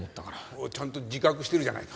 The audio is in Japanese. おっちゃんと自覚してるじゃないか。